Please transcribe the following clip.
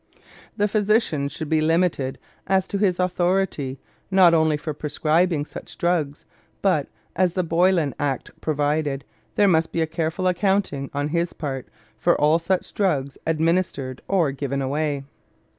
The physician should be limited as to his authority not only for prescribing such drugs, but, as the Boylan Act provided, there must be a careful accounting on his part for all such drugs administered or given away.